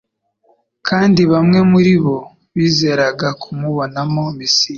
kandi bamwe muri bo bizeraga kumubonamo Mesiya.